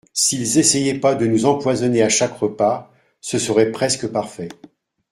s’ils essayaient pas de nous empoisonner à chaque repas, ce serait presque parfait.